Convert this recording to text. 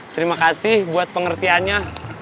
terima kasih buat pengertiannya